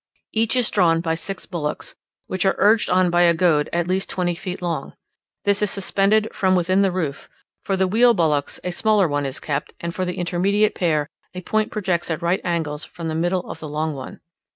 Each is drawn by six bullocks, which are urged on by a goad at least twenty feet long: this is suspended from within the roof; for the wheel bullocks a smaller one is kept; and for the intermediate pair, a point projects at right angles from the middle of the long one.